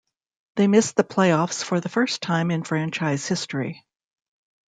They missed the playoffs for the first time in franchise history.